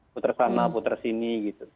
puter sana puter sini gitu